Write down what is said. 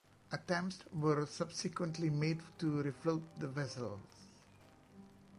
Attempts were subsequently made to refloat the vessel.